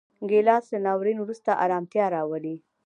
ګیلاس له ناورین وروسته ارامتیا راولي.